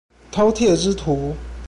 饕餮之徒